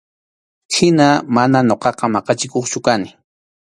Hina mana ñuqaqa maqachikuqchu kani.